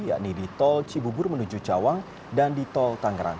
yakni di tol cibubur menuju cawang dan di tol tangerang